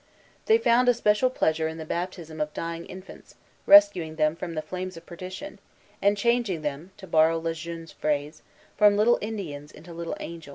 They found especial pleasure in the baptism of dying infants, rescuing them from the flames of perdition, and changing them, to borrow Le Jeune's phrase, "from little Indians into little angels."